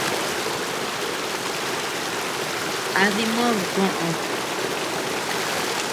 ¿A dimid koʼod?